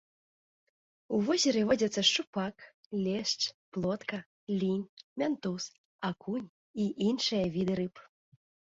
У возеры водзяцца шчупак, лешч, плотка, лінь, мянтуз, акунь і іншыя віды рыб.